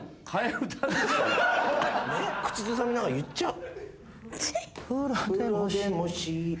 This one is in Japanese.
口ずさみながら言っちゃう。